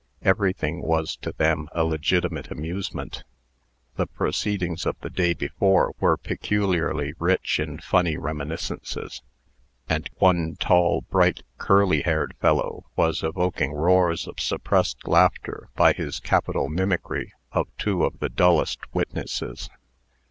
Everything was to them a legitimate amusement. The proceedings of the day before were peculiarly rich in funny reminiscences; and one tall, bright, curly haired fellow was evoking roars of suppressed laughter by his capital mimicry of two of the dullest witnesses.